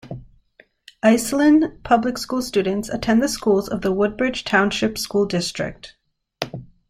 Iselin public school students attend the schools of the Woodbridge Township School District.